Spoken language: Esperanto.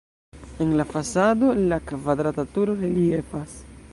En la fasado la kvadrata turo reliefas.